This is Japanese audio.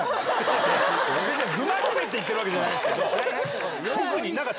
不真面目って言ってるってわけじゃないんだから。